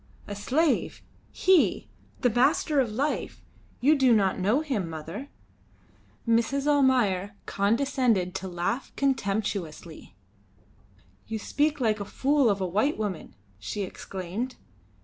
"A slave! He! The master of life! You do not know him, mother." Mrs. Almayer condescended to laugh contemptuously. "You speak like a fool of a white woman," she exclaimed.